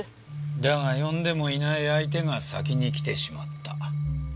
だが呼んでもいない相手が先に来てしまった。